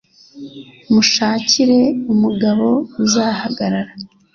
munshakire umugabo uzahagarara